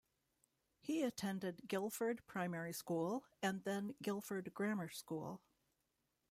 He attended Guildford Primary School and then Guildford Grammar School.